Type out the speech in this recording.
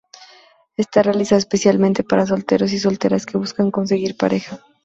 Está realizado especialmente para solteros y solteras que buscan conseguir pareja.